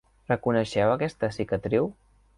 Reconeixeu aquesta cicatriu?